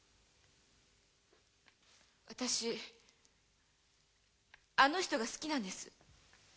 私あの人が好きなんです。